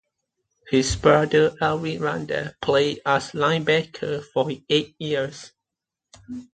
His brother Ervin Randle played as a linebacker for eight years.